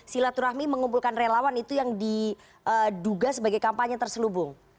silaturahmi mengumpulkan relawan itu yang diduga sebagai kampanye terselubung